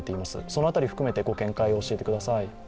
その辺りを含めてご見解を教えてください。